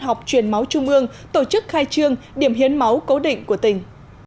học truyền máu trung ương tổ chức khai trương điểm hiến máu cố định của tỉnh